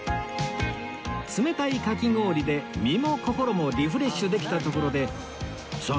冷たいかき氷で身も心もリフレッシュできたところでさあ